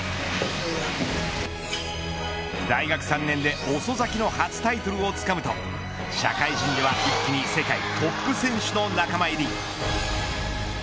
大学３年で遅咲きの初タイトルをつかむと社会人では一気に世界トップ選手の仲間入り。